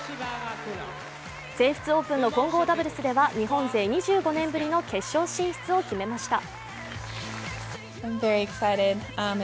全仏オープンの混合ダブルスでは日本勢２５年ぶりの決勝進出を決めました。